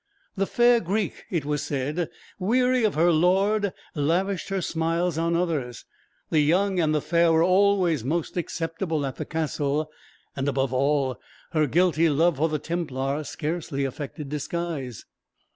The fair Greek, it was said, weary of her lord, lavished her smiles on others: the young and the fair were always most acceptable at the castle; and, above all, her guilty love for the Templar scarcely affected disguise.